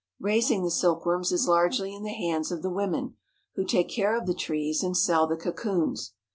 Raising the silkworms is largely in the hands of the women, who take care of the trees and sell the cocoons.